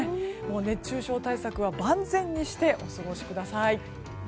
熱中症対策は万全にしてお過ごしください。